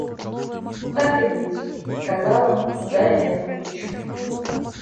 «Так и быть, – сказал он, ударя меня по плечу.